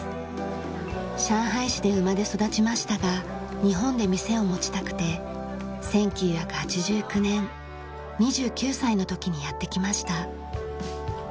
上海市で生まれ育ちましたが日本で店を持ちたくて１９８９年２９歳の時にやって来ました。